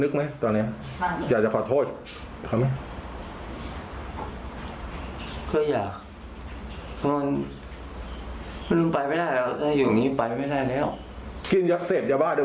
เขายืนยันว่าเขาไม่ได้เสพ